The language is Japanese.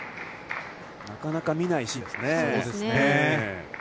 なかなか見ないシーンですね。